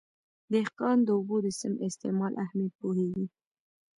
دهقان د اوبو د سم استعمال اهمیت پوهېږي.